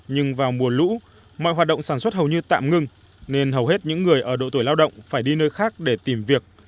nhưng vào mùa lũ mọi hoạt động sản xuất hầu như tạm ngưng nên hầu hết những người ở độ tuổi lao động phải đi nơi khác để tìm việc